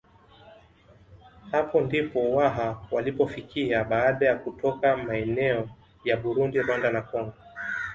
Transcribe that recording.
Hapo ndipo Waha walipofikia baada ya kutoka maeneo ya Burundi Rwanda na Kongo